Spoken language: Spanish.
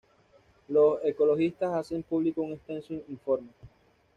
los ecologistas hacen público un extenso informe